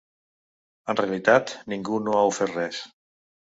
En realitat, ningú no ha ofert res.